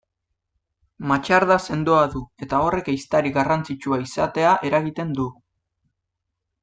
Matxarda sendoa du eta horrek ehiztari garrantzitsua izatea eragiten du.